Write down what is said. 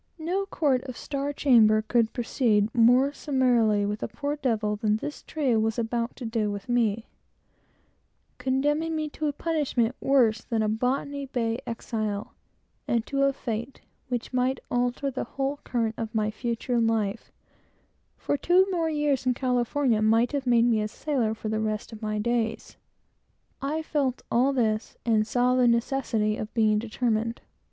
No court or star chamber could proceed more summarily with a poor devil, than this trio was about to do with me; condemning me to a punishment worse than a Botany Bay exile, and to a fate which would alter the whole current of my future life; for two years more in California would have made me a sailor for the rest of my days. I felt all this, and saw the necessity of being determined.